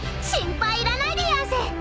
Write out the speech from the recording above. ［心配いらないでやんす］